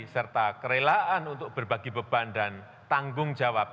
serta kerelaan untuk berbagi beban dan tanggung jawab